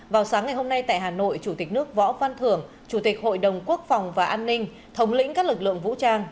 vào sáng ngày hôm nay tại hà nội chủ tịch nước võ văn thưởng chủ tịch hội đồng quốc phòng và an ninh thống lĩnh các lực lượng vũ trang